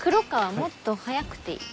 もっと速くていい。